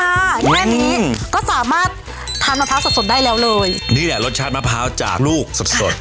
แค่นี้ก็สามารถทานมะพร้าวสดสดได้แล้วเลยนี่แหละรสชาติมะพร้าวจากลูกสดสด